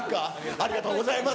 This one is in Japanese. ありがとうございます。